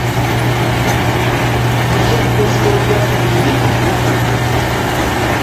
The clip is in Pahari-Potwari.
نصرت اس ٹوریا پنڈی گئی